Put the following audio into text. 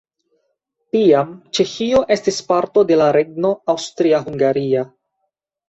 Tiam Ĉeĥio estis parto de la regno Aŭstria-Hungaria.